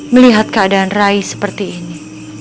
melihat keadaan rai seperti ini